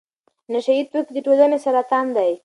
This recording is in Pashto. نشه يي توکي د ټولنې سرطان دی.